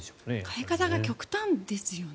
変え方が極端ですよね